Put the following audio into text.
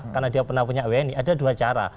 karena dia pernah punya wni ada dua cara